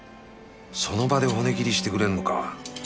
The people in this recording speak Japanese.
その場で骨切りしてくれるのか